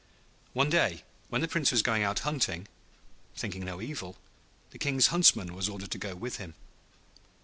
One day when the Prince was going out hunting, thinking no evil, the King's Huntsman was ordered to go with him.